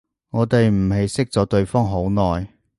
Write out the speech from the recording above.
我哋唔係識咗對方好耐